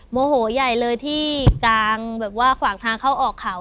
โมโหใหญ่เลยที่กลางแบบว่าขวางทางเข้าออกเขา